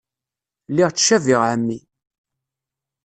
Lliɣ ttcabiɣ ɛemmi.